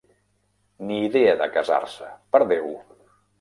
Ni idea de casar-se, per Déu!